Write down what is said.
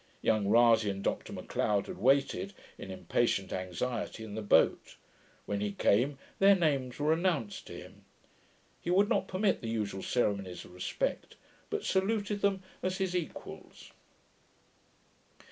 Young Rasay and Dr Macleod had waited, in impatient anxiety, in the boat. When he came, their names were announced to him. He would not permit the usual ceremonies of respect, but saluted them as his equals.